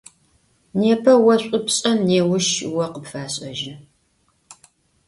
Nêpe vo ş'u pş'en, nêuş vo khıpfaş'ejın.